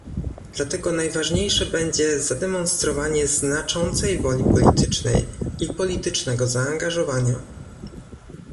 Dlatego najważniejsze będzie zademonstrowanie znaczącej woli politycznej i politycznego zaangażowania